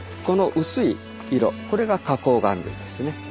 この薄い色これが花こう岩類ですね。